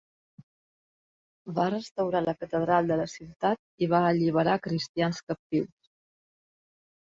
Va restaurar la catedral de la ciutat i va alliberar cristians captius.